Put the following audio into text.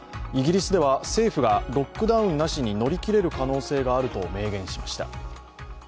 イギリスでは政府がロックダウンなしに乗り切れる可能性があると明言しました。